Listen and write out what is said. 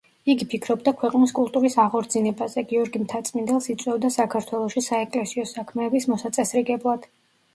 იგი ფიქრობდა ქვეყნის კულტურის აღორძინებაზე, გიორგი მთაწმინდელს იწვევდა საქართველოში საეკლესიო საქმეების მოსაწესრიგებლად.